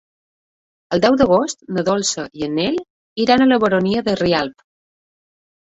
El deu d'agost na Dolça i en Nel iran a la Baronia de Rialb.